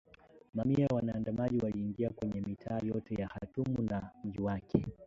Mamia ya waandamanaji waliingia kwenye mitaa yote ya Khartoum na mji wake